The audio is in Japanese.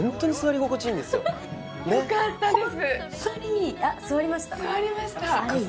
ねっよかったです